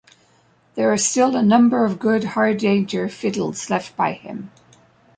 There are still a number of good Hardanger fiddles left by him.